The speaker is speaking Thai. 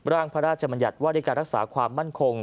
ร่างพระราชมัญญัติว่าด้วยการรักษาความมั่นคง